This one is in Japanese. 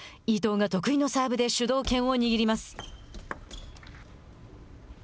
伊藤が得意のサーブで主導権を握ります。